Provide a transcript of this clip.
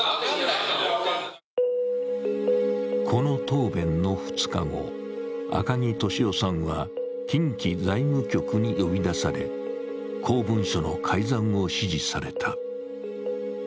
この答弁の２日後赤木俊夫さんは近畿財務局に呼び出され公文書の改ざんを指示された。